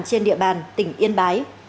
trên địa bàn tỉnh yên bái